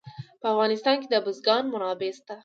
په افغانستان کې د بزګان منابع شته.